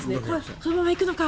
このまま行くのか？